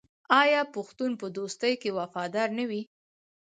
آیا پښتون په دوستۍ کې وفادار نه وي؟